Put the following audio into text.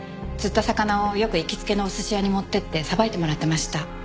釣った魚をよく行きつけのお寿司屋に持っていってさばいてもらってました。